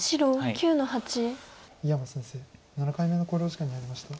井山先生７回目の考慮時間に入りました。